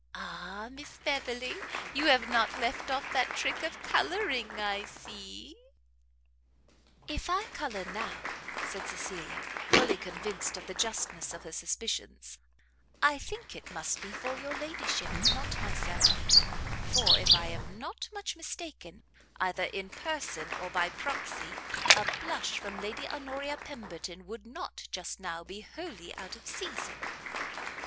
Ah, Miss Beverley! you have not left off that trick of colouring, I see!" "If I colour now," said Cecilia, fully convinced of the justness of her suspicions, "I think it must be for your ladyship, not myself; for, if I am not much mistaken, either in person, or by proxy, a blush from Lady Honoria Pemberton would not, just now, be wholly out of season."